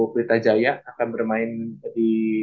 britajaya akan bermain di